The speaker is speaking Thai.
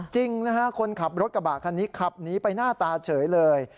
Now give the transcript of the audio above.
จริงนะฮะคนขับรถกระบะคันนี้ขับหนีไปหน้าตาเฉยเลย